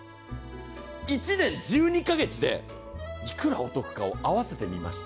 １年１２か月でいくらお得かを合わせてみました。